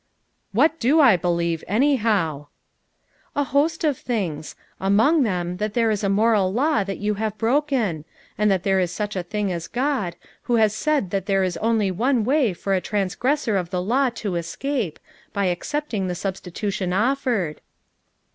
"What do I believe, anyhow?" "A host of tilings; among them thai there is a moral law that you have broken; and that there is such a being as God who lias said that there was only one way for a transgressor of the law to escape, by accepting the substitution offered."